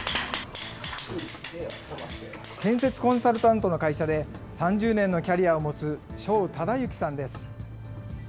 建設コンサルタントの会社で３０年のキャリアを持つ正忠幸さんです。